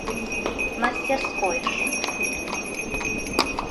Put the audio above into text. — Мастерскойыш.